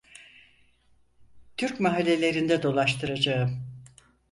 Türk mahallelerinde dolaştıracağım…